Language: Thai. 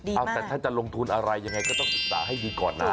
เอาแต่ถ้าจะลงทุนอะไรยังไงก็ต้องศึกษาให้ดีก่อนนะ